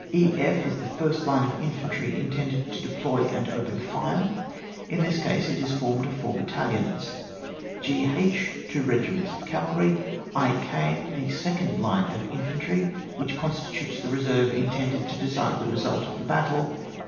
e,f\A the first line of infantry, intended to deploy and open fire ; in this case it is formed of four battalions ;^, A, two regiments of cavaliy ; t, Ar, the second line of infantry, which constitutes the reserve intended to decide the result of the battle.